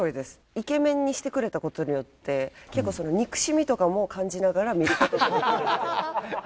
イケメンにしてくれた事によって結構憎しみとかも感じながら見る事ができるので。